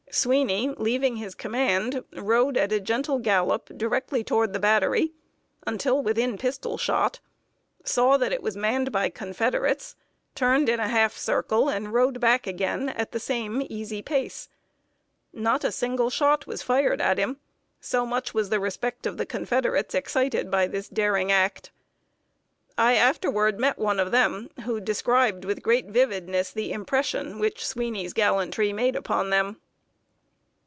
Sweeney, leaving his command, rode at a gentle gallop directly toward the battery until within pistol shot, saw that it was manned by Confederates, turned in a half circle, and rode back again at the same easy pace. Not a single shot was fired at him, so much was the respect of the Confederates excited by this daring act. I afterward met one of them, who described with great vividness the impression which Sweeney's gallantry made upon them.